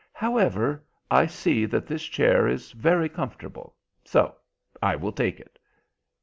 However, I see that this chair is very comfortable, so I will take it.